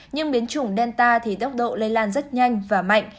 nhưng biến chủng delta thì tốc độ lây lan rất nhanh và mạnh